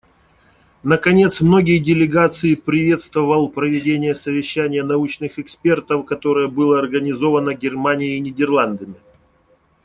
Наконец, многие делегации приветствовал проведение совещания научных экспертов, которое было организовано Германией и Нидерландами.